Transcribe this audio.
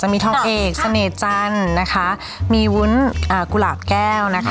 มีทองเอกเสน่ห์จันทร์นะคะมีวุ้นกุหลาบแก้วนะคะ